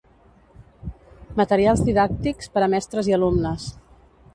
Materials didàctics per a mestres i alumnes.